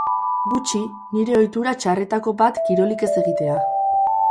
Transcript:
Gutxi, nire ohitura txarretako bat da kirolik ez egitea.